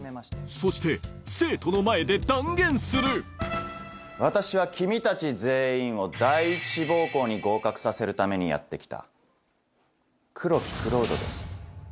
そして生徒の前で断言する私は君たち全員を第一志望校に合格させるためにやって来た黒木蔵人です。